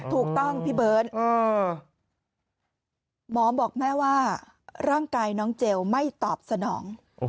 ถูกต้องพี่เบิร์ตหมอบอกแม่ว่าร่างกายน้องเจลไม่ตอบสนอง